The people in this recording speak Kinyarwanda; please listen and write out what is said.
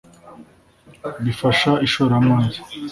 bifasha ishoramari